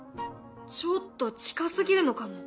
ちょっと近すぎるのかも。